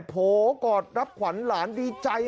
โผล่กอดรับขวัญหลานดีใจ